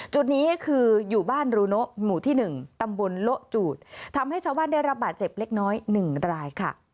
จุดนี้คืออยู่บ้านรูโนะหมู่ที่๑ตำบลโละจูดทำให้ชาวบ้านได้รับบาดเจ็บเล็กน้อย๑รายค่ะ